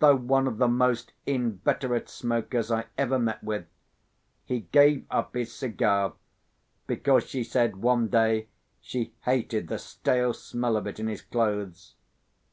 Though one of the most inveterate smokers I ever met with, he gave up his cigar, because she said, one day, she hated the stale smell of it in his clothes.